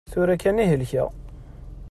Tura kan i helkeɣ.